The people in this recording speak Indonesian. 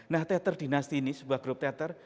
nah teater dinasti ini sebuah grup teater